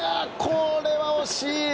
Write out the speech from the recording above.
これは惜しい！